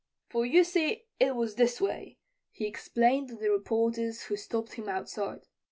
"For, you see, it was this way," he explained to the reporters who stopped him outside.